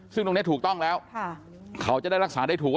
ซึ่งตรงนี้ถูกต้องแล้วเขาจะได้รักษาได้ถูก